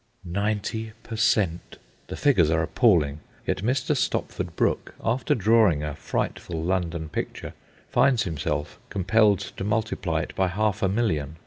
Ninety per cent.! The figures are appalling, yet Mr. Stopford Brooke, after drawing a frightful London picture, finds himself compelled to multiply it by half a million.